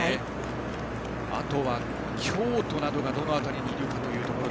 あとは京都などがどの辺りにいるのかというところ。